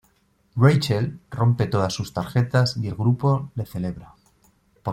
Rachel rompe todas sus tarjetas y el grupo le celebra.